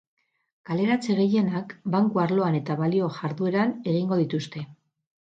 Kaleratze gehienak banku arloan eta balio-jardueran egingo dituzte.